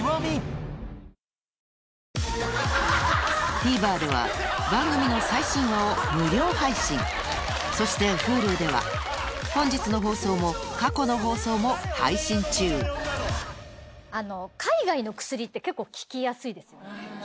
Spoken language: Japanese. ＴＶｅｒでは番組の最新話を無料配信そしてＨｕｌｕでは本日の放送も過去の放送も配信中ですよね。